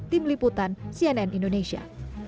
tim liputan cnn indonesia